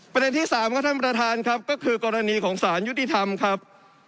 ประเด็นที่๓ครับท่านประธานครับก็คือกรณีของสารยุติธรรมครับ